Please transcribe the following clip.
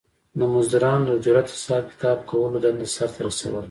د مزدورانو د اجرت حساب کتاب کولو دنده سر ته رسوله